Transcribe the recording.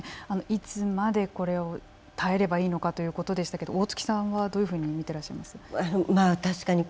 いつまでこれを耐えればいいのかということでしたけど大槻さんはどういうふうに見ていますか。